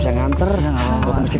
astaghfirullahaladzim allah wabarakatuh